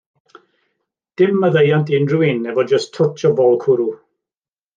Dim maddeuant i unrhyw un efo jyst twtsh o fol cwrw!